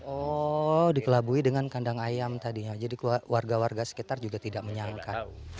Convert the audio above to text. oh dikelabui dengan kandang ayam tadinya jadi warga warga sekitar juga tidak menyangka